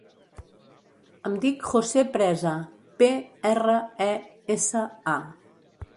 Em dic José Presa: pe, erra, e, essa, a.